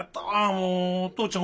もうお父ちゃん